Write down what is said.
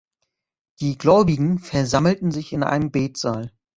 Die Gläubigen versammelten sich in einem Betsaal.